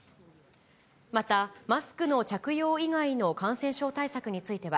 また、マスクの着用以外の感染症対策については、